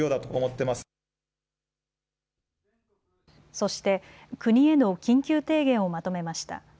そして国への緊急提言をまとめました。